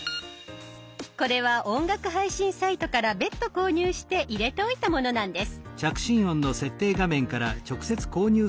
これは音楽配信サイトから別途購入して入れておいたものなんです。